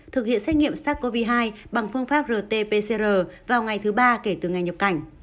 thực hiện xét nghiệm sars cov hai bằng phương pháp rt pcr vào ngày thứ ba kể từ ngày nhập cảnh